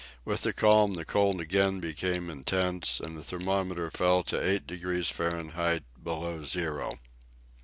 With the calm the cold again became intense, and the thermometer fell to eight degrees Fahrenheit, below zero.